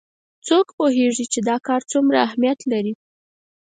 څوک پوهیږي چې دا کار څومره اهمیت لري